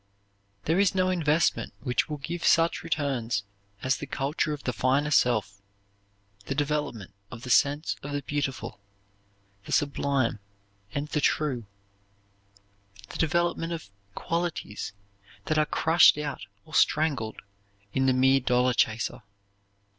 There is no investment which will give such returns as the culture of the finer self, the development of the sense of the beautiful, the sublime, and the true; the development of qualities that are crushed out or strangled in the mere dollar chaser.